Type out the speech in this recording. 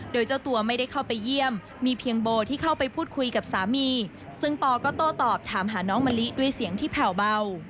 โดยเจ้าตัวไม่ได้เข้าไปเยี่ยมมีเพียงโบที่เข้าไปพูดคุยกับสามีซึ่งปอก็โต้ตอบถามหาน้องมะลิด้วยเสียงที่แผ่วเบา